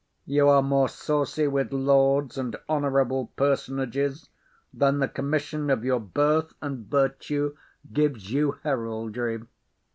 You are more saucy with lords and honourable personages than the commission of your birth and virtue gives you heraldry.